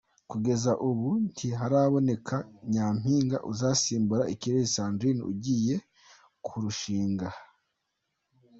Kugeza ubu ntiharaboneka Nyampinga uzasimbura Ikirezi Sandrine ugiye kurushinga.